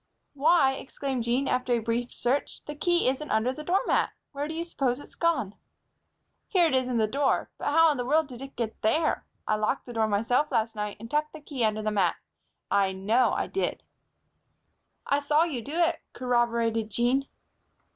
"Why!" exclaimed Jean, after a brief search, "the key isn't under the doormat! Where do you s'pose it's gone?" "Here it is in the door. But how in the world did it get there? I locked that door myself last night and tucked the key under the mat. I know I did." "I saw you do it," corroborated Jean.